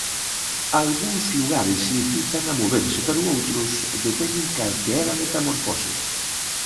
Algúns lugares incitan a moverse, pero outros deteñen calquera metamorfose.